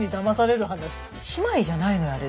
姉妹じゃないのよあれ。